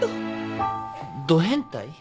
ど変態？